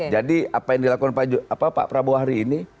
jadi apa yang dilakukan pak prabowo hari ini